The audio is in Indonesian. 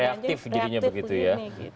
reaktif jadinya begitu ya